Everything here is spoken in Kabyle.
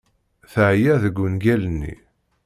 Teεya deg ungal-nni.